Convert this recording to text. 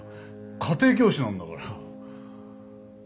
家庭教師なんだから。